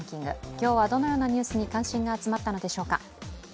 今日はどのようなニュースに関心が集まったのでしょうか。